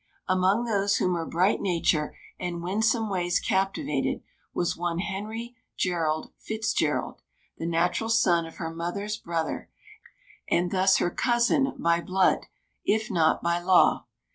Among those whom her bright nature and winsome ways captivated was one Henry Gerald Fitzgerald, the natural son of her mother's brother, and thus her cousin by blood, if not by law.